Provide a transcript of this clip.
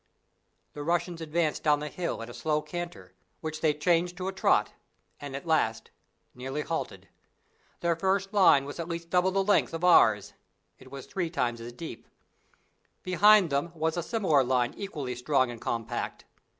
The Russians advanced down the hill at a slow canter, which they changed to a trot, and at last nearly halted. Their first line was at least double the length of ours it was three times as deep. Behind them was a similar line equally strong and compact.